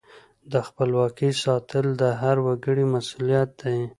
د خپلواکۍ ساتل د هر وګړي مسؤلیت دی.